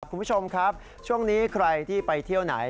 คุณผู้ชมครับช่วงนี้ใครที่ไปเที่ยวไหน